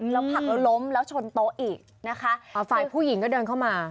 แล้วผลักแล้วล้มแล้วชนโต๊ะอีกนะคะฝ่ายผู้หญิงก็เดินเข้ามา